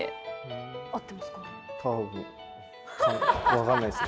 分かんないっす。